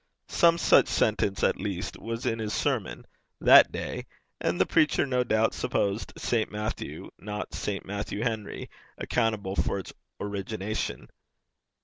Some such sentence, at least, was in his sermon that day, and the preacher no doubt supposed St. Matthew, not St. Matthew Henry, accountable for its origination.